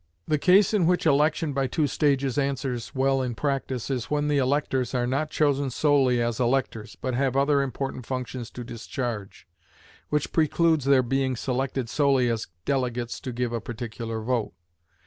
The case in which election by two stages answers well in practice is when the electors are not chosen solely as electors, but have other important functions to discharge, which precludes their being selected solely as delegates to give a particular vote.